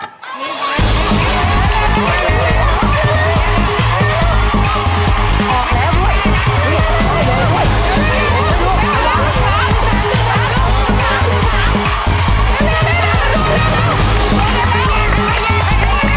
แสงกันแล้วด้วย